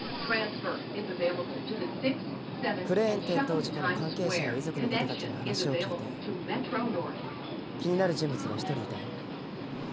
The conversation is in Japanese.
クレーン転倒事故の関係者や遺族の方たちに話を聞いて気になる人物が１人いたよ。